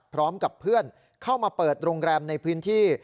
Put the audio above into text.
พร้อมกับเพื่อนเข้ามาเปิดโรงแรมในพื้นที่